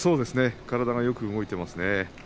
体がよく動いていますね。